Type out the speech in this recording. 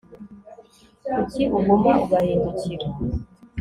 Kuki uguma ugahindukira